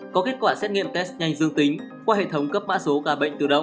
có kết quả xét nghiệm test nhanh dương tính qua hệ thống cấp mã số ca bệnh tự động